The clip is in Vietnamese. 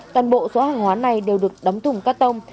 toàn bộ số hàng hóa này đều được đóng thùng cắt tông